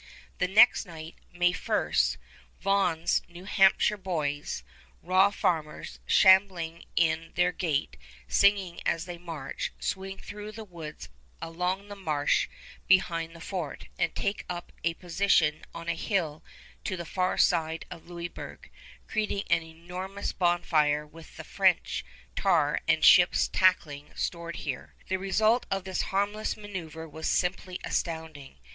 The next night, May 1, Vaughan's New Hampshire boys raw farmers, shambling in their gait, singing as they march swing through the woods along the marsh behind the fort, and take up a position on a hill to the far side of Louisburg, creating an enormous bonfire with the French tar and ships' tackling stored here. The result of this harmless maneuver was simply astounding.